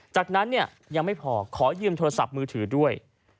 จากนั้นยังไม่พอขอยืมโทรศัพท์มือถือด้วย